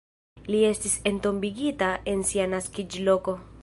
Li estis entombigita en sia naskiĝloko.